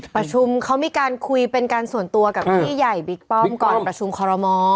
ประชุมเขามีการคุยเป็นการส่วนตัวกับพี่ใหญ่บิ๊กป้อมก่อนประชุมคอรมอ